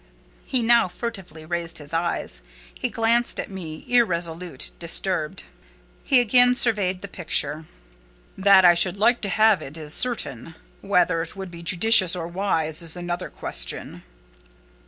He now furtively raised his eyes: he glanced at me, irresolute, disturbed: he again surveyed the picture. "That I should like to have it is certain: whether it would be judicious or wise is another question."